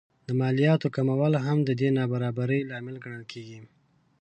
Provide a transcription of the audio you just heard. د مالیاتو کمول هم د دې نابرابرۍ لامل ګڼل کېږي